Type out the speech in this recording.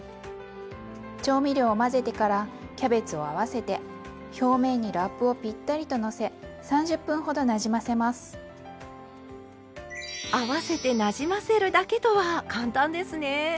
調味料を混ぜてからキャベツを合わせて表面に合わせてなじませるだけとは簡単ですね。